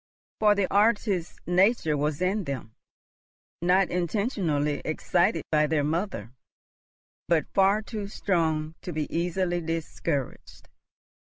For the artist nature was in them, not intentionally excited by their mother, but far too strong to be easily discouraged.